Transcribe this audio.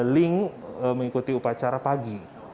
link mengikuti upacara pagi